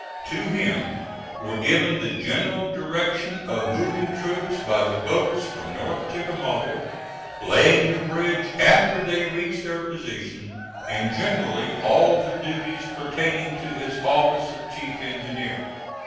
To him were given the general direction of moving troops by the boats from North Chickamauga, laying the bridge after they reached their position, and generally all the duties pertaining to his office of chief engineer.